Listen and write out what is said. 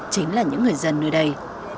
chính là những người dân nơi đây